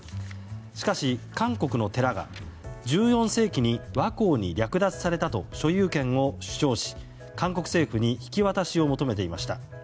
しかし、韓国の寺が１４世紀に倭寇に略奪されたと所有権を主張し、韓国政府に引き渡しを求めていました。